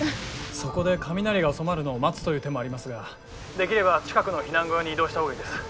そこで雷が収まるのを待つという手もありますができれば近くの避難小屋に移動した方がいいです。